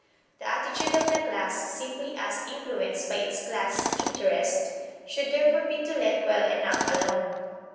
The attitude of the class, simply as influenced by its class interest, should therefore be to let well enough alone.